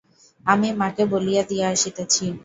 আমি মাকে বলিয়া দিয়া আসিতেছি।